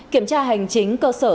kiểm tra hành chính cơ sở